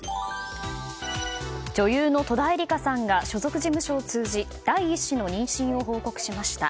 女優の戸田恵梨香さんが所属事務所を通じ第１子の妊娠を報告しました。